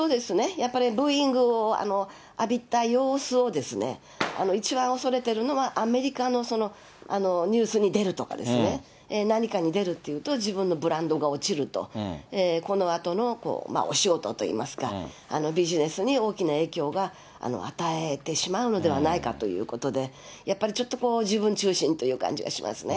やっぱりブーイングを浴びた様子を、一番恐れてるのはアメリカのニュースに出るとか、何かに出るっていうと、自分のブランドが落ちると、このあとのお仕事といいますか、ビジネスに大きな影響が与えてしまうのではないかということで、やっぱり、ちょっと自分中心という感じがしますね。